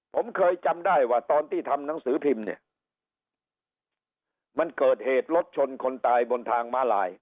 ผมเคยจำได้ว่าตอนที่ทำหนังสือพิมพ์เนี่ยมันเกิดเหตุรถชนคนตายบนทางม้าลาย